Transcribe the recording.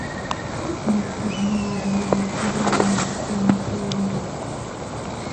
От, нехта зняважыў яго, аблаяў непрыстойным словам.